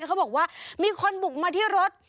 เขาบอกว่ามีคนบุกมาที่รถ